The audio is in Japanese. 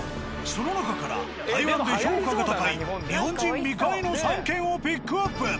その中から台湾で評価が高い日本人未開の３軒をピックアップ。